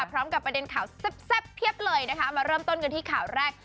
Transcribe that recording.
พร้อมกับประเด็นข่าวแซ่บเพียบเลยนะคะมาเริ่มต้นกันที่ข่าวแรก